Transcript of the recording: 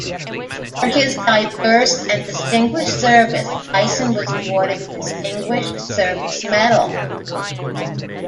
For his diverse and distinguished service, Dyson was awarded the Distinguished Service Medal.